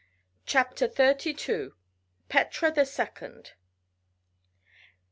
CHAPTER THIRTY TWO. PETRA THE SECOND.